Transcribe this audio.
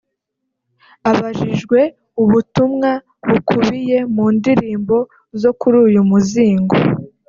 Abajijwe ubutumwa bukubiye mu ndirimbo zo kuri uyu muzingo